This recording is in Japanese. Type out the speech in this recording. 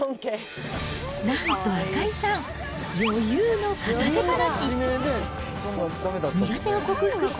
なんと赤井さん、余裕の片手離し。